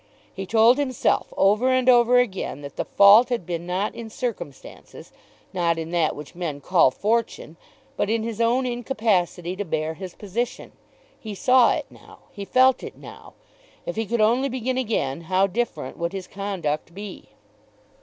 He told himself over and over again that the fault had been not in circumstances, not in that which men call Fortune, but in his own incapacity to bear his position. He saw it now. He felt it now. If he could only begin again, how different would his conduct be!